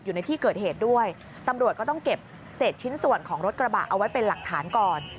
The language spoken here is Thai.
อยู่ในที่เกิดเหตุด้วยตำรวจก็ต้องเก็บเศษชิ้นส่วนของรถกระบะเอาไว้เป็นหลักฐานก่อน